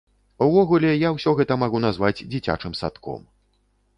Увогуле я ўсё гэта магу назваць дзіцячым садком.